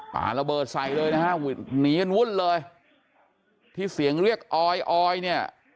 ปลาระเบิดใส่เลยนะฮะหนีกันวุ่นเลยที่เสียงเรียกออยออยเนี่ย